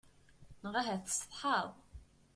Neɣ ahat tsetḥaḍ.